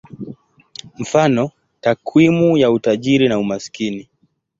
Mfano: takwimu ya utajiri na umaskini.